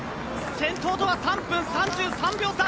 先頭とは３分３３秒差。